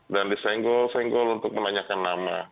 dan disenggol senggol untuk menanyakan nama